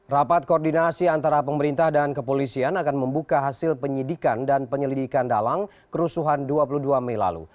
rapat koordinasi antara pemerintah dan kepolisian akan membuka hasil penyidikan dan penyelidikan dalang kerusuhan dua puluh dua mei lalu